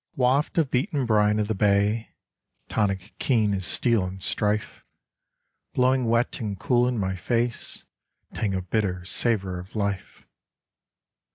Waft of beaten brine of the Bay, Tonic keen as steel in strife, Blowing wet and cool in my face, Tang of bitter savor of life!